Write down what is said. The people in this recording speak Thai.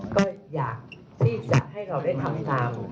ก็อยากที่จะให้เราได้ทำตาม